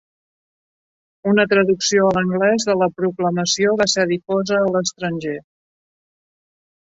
Una traducció a l'anglès de la proclamació va ser difosa a l'estranger.